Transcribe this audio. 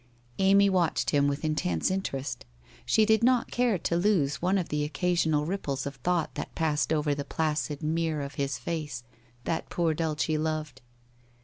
Amy watched him with intense interest; she did not care to lose one of the occasional ripples of thought that passed over the placid mere of his face, that poor Dulce loved.